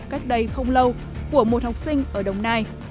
cách đây không lâu của một học sinh ở đồng nai